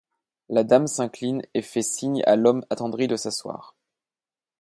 La dame s’incline et fait signe à l’homme attendri de s’asseoir.